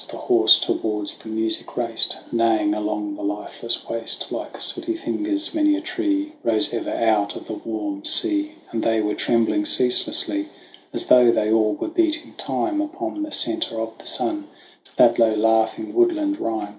The horse towards the music raced, Neighing along the lifeless waste ; Like sooty fingers, many a tree Rose ever out of the warm sea ; And they were trembling ceaselessly, As though they all were beating time, Upon the centre of the sun, To that low laughing woodland rhyme.